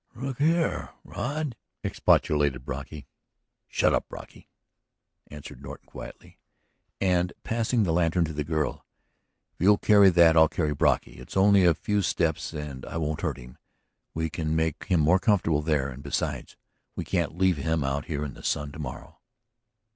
"Look here, Rod. ..." expostulated Brocky. "Shut up, Brocky," answered Norton quietly. And, passing the lantern to the girl. "If you'll carry that I'll carry Brocky. It's only a few steps and I won't hurt him. We can make him more comfortable there; and besides, we can't leave him out here in the sun to morrow."